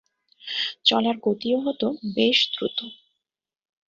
চলার গতিও হত বেশ দ্রুত।